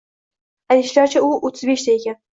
Aytishlaricha, u o`ttiz beshda ekan